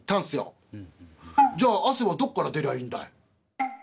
「じゃあアセはどっから出りゃいいんだい？」。